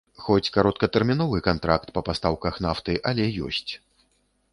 Хоць кароткатэрміновы кантракт па пастаўках нафты, але ёсць.